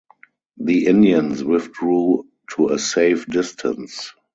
The Indians withdrew to a safe distance.